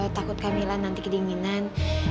takut kak mila nanti kedinginan